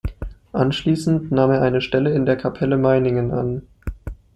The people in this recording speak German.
Anschließend nahm er eine Stelle in der Kapelle Meiningen an.